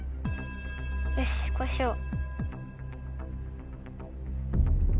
よしこうしよう。